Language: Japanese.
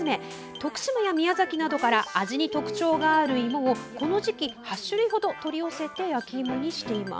徳島や宮崎などから味に特徴がある芋をこの時期、８種類ほど取り寄せて焼きいもにしています。